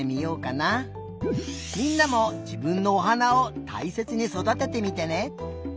みんなもじぶんのおはなをたいせつにそだててみてね。